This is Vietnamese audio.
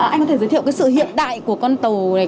anh có thể giới thiệu cái sự hiện đại của con tàu này